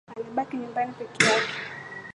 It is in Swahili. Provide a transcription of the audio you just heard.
Alibaki nyumbani peke yake